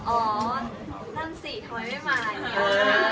ก็กระทับหันทุกครั้งนะใช่กระทับหันทุกครั้ง